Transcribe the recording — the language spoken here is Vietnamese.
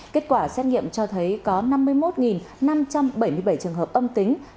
kết quả xét nghiệm cho thấy có năm mươi một năm trăm bảy mươi bảy trường hợp âm tính